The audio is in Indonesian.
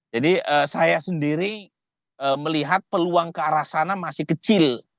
jadi saya sendiri melihat peluang ke arah sana masih kecil